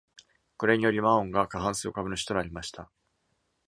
これにより、マオンが過半数株主となりました。